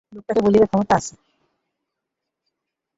লোকটার বলিবার ক্ষমতা আছে।